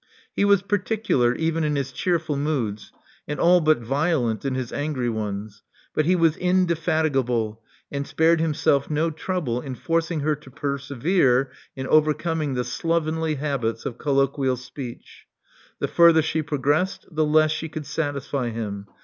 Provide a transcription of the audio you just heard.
1 particular, even in his cheerful moods, and all lent in his angry ones; but he was indefati and spared himself no trouble in forcing her evere in overcoming the slovenly habits of ial speech. The further she progressed, the ) could satisfy him.